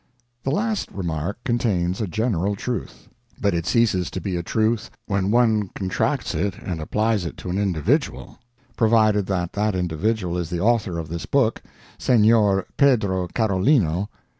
The last remark contains a general truth; but it ceases to be a truth when one contracts it and applies it to an individual provided that that individual is the author of this book, Senhor Pedro Carolino.